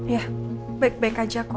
ya baik baik aja kok